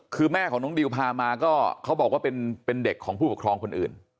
คือแม่ของน้องดิวพามาก็เขาบอกว่าเป็นเด็กของผู้ปกครองคนอื่น